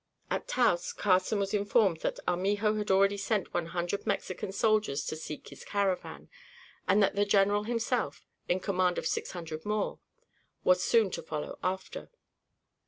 At Taos Carson was informed that Armijo had already sent out one hundred Mexican soldiers to seek his caravan and that the General himself, in command of six hundred more, was soon to follow after.